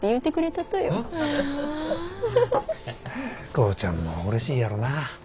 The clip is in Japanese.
浩ちゃんもうれしいやろな。